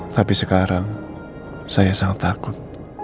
tapi sekarang saya sangat takut